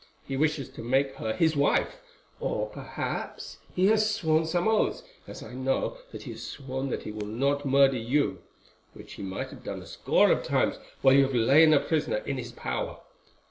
He wishes to make her his wife. Or perhaps he has sworn some oath, as I know that he has sworn that he will not murder you—which he might have done a score of times while you have lain a prisoner in his power.